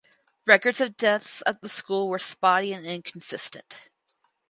Records of deaths at the school were spotty and inconsistent.